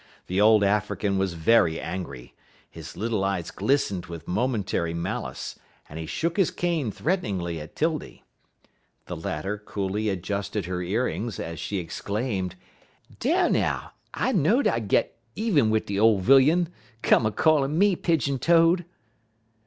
The old African was very angry. His little eyes glistened with momentary malice, and he shook his cane threateningly at 'Tildy. The latter coolly adjusted her ear rings, as she exclaimed: "Dar, now! I know'd I'd git even wid de ole vilyun. Come a callin' me pidjin toed!"